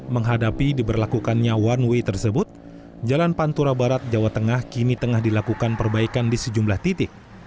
menghadapi diberlakukannya one way tersebut jalan pantura barat jawa tengah kini tengah dilakukan perbaikan di sejumlah titik